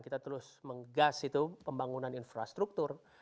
kita terus menggas itu pembangunan infrastruktur